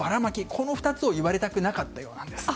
この２つを言われたくなかったようです。